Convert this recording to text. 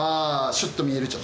シュッと見えるっちゃ。